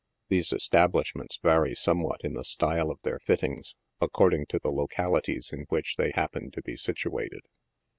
These establishments vary somewhat in the style of their fittings, according to the localities 'in which they happen to be situated.